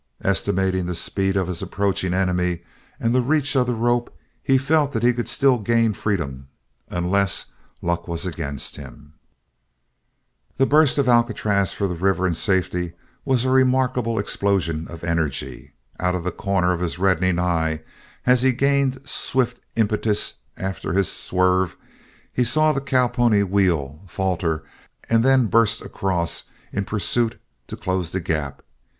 Estimating the speed of his approaching enemy and the reach of the rope he felt that he could still gain freedom unless luck was against him. The burst of Alcatraz for the river and safety was a remarkable explosion of energy. Out of the corner of his reddening eye, as he gained swift impetus after his swerve, he saw the cowpony wheel, falter, and then burst across in pursuit to close the gap.